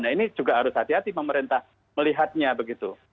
nah ini juga harus hati hati pemerintah melihatnya begitu